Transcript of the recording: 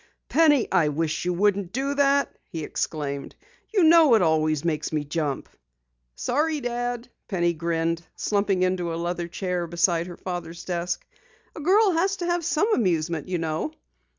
"Penny, I wish you wouldn't do that!" he exclaimed. "You know it always makes me jump." "Sorry, Dad," Penny grinned, slumping into a leather chair beside her father's desk. "A girl has to have some amusement, you know."